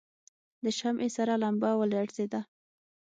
د شمعې سره لمبه ولړزېده.